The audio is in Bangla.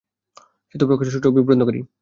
সেতো প্রকাশ্য শত্রু ও বিভ্রান্তকারী।